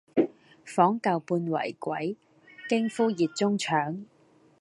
訪舊半為鬼，驚呼熱中腸。